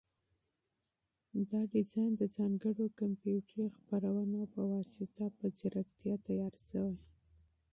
دا ډیزاین د ځانګړو کمپیوټري پروګرامونو په واسطه په مهارت چمتو شوی.